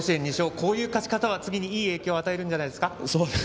こういう勝ち方は次にいい影響を与えるんじゃないですか。